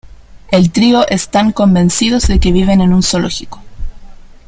El trio están convencidos de que viven en un zoológico.